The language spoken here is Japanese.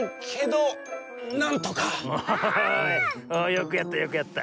よくやったよくやった。